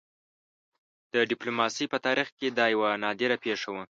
د ډيپلوماسۍ په تاریخ کې دا یوه نادره پېښه وه.